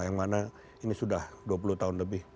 yang mana ini sudah dua puluh tahun lebih